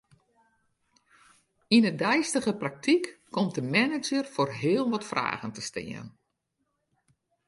Yn 'e deistige praktyk komt de manager foar heel wat fragen te stean.